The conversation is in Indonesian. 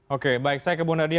oke baik saya ke bu nadia